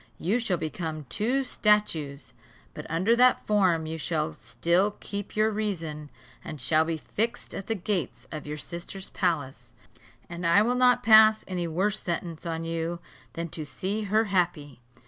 You shall become two statues; but under that form you shall still keep your reason, and shall be fixed at the gates of your sister's palace; and I will not pass any worse sentence on you than to see her happy.